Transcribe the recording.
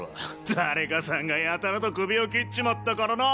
誰かサンがやたらとクビを切っちまったからなぁ！